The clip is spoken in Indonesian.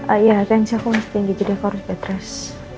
ah ya atensi aku masih tinggi jadi aku harus bed rest